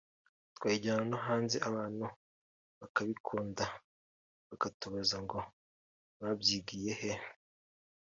twayijyana no hanze abantu bakabikunda bakatubaza ngo ‘mwabyigiye he’